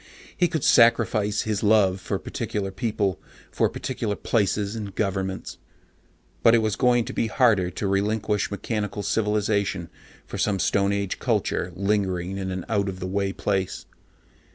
He could sacrifice his love for particular people, for particular places and governments but it was going to be harder to relinquish mechanical civilization for some stone age culture lingering in an out of the way place.